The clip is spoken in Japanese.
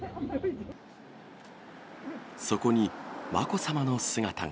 そこにまこさまの姿が。